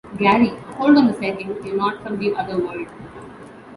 Gary: Hold on a second, you're not from the other world!